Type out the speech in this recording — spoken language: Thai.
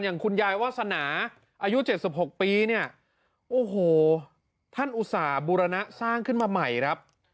อย่างคุณยายวาสนาอายุ๗๖ปีเนี่ยโอ้โหท่านอุตส่าห์บูรณะสร้างขึ้นมาใหม่ครับ